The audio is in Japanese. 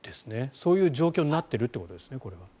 そういう状況になっているということですね。